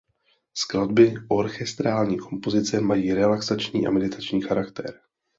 Skladby orchestrální kompozice mají relaxační a meditační charakter.